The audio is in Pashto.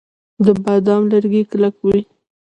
د بادام لرګي کلک وي.